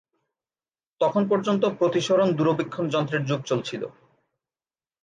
তখন পর্যন্ত প্রতিসরণ দূরবীক্ষণ যন্ত্রের যুগ চলছিল।